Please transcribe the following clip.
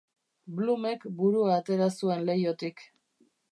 Bloomek burua atera zuen leihotik.